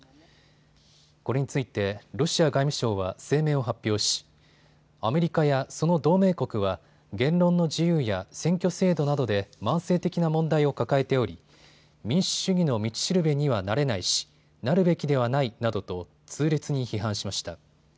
これについてロシア外務省は声明を発表し、アメリカやその同盟国は言論の自由や選挙制度などで慢性的な問題を抱えており民主主義の道しるべにはなれないし、なるべきではないなどと痛烈に批判しました。